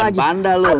lu mau liat panda lo